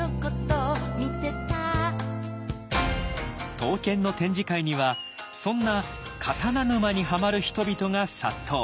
刀剣の展示会にはそんな「刀沼」にはまる人々が殺到。